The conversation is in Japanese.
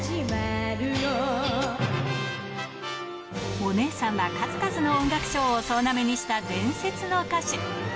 お姉さんは数々の音楽賞を総なめにした伝説の歌手。